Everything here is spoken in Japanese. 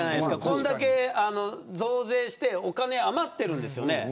これだけ増税してお金が余ってるんですよね。